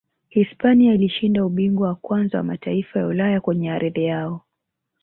hispania ilishinda ubingwa wa kwanza wa mataifa ya ulaya kwenye ardhi yao